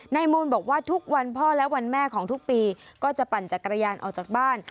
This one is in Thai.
มูลบอกว่าทุกวันพ่อและวันแม่ของทุกปีก็จะปั่นจักรยานออกจากบ้าน